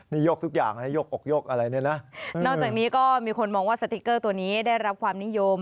นอกจากนี้ก็มีคนที่มองว่าสติกเกอร์ตัวนี้ได้รับความนิยม